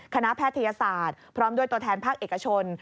แพทยศาสตร์พร้อมด้วยตัวแทนภาคเอกชน